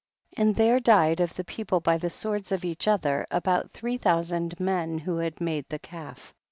20. And there died of the people by the swords of each other about three thousand men who had made the calf.